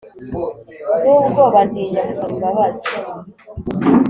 nubwoba ntinya gusaba imbabazi"